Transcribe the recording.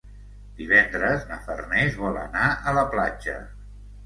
Divendres na Farners vol anar a la platja.